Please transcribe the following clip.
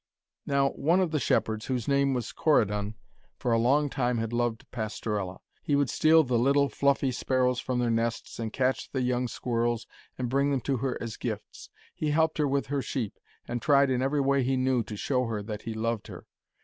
Now, one of the shepherds, whose name was Corydon, for a long time had loved Pastorella. He would steal the little fluffy sparrows from their nests, and catch the young squirrels, and bring them to her as gifts. He helped her with her sheep, and tried in every way he knew to show her that he loved her.